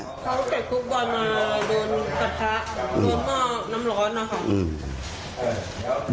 เขาแตะฟุตบอลมาโดนกระทะโดนเมาะน้ำร้อนนะครับ